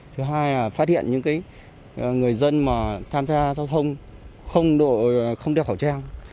thứ hai là phát hiện những người dân mà tham gia giao thông không đeo khẩu trang